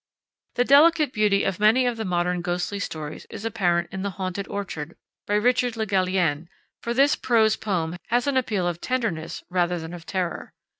The delicate beauty of many of the modern ghostly stories is apparent in The Haunted Orchard, by Richard Le Gallienne, for this prose poem has an appeal of tenderness rather than of terror.